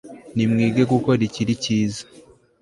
nimwige gukora ikiri icyiza